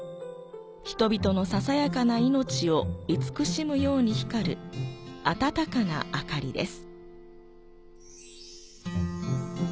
人々のささやかな命を慈しむように光る温かな明かりです。